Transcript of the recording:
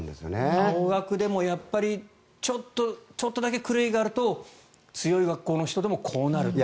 青学でもちょっとだけ狂いがあると強い学校の人でもこうなるという。